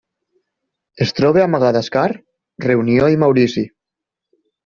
Es troba a Madagascar, Reunió i Maurici.